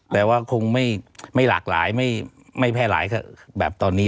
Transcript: แต่ว่าคงไม่หลากหลายไม่แพร่หลายแบบตอนนี้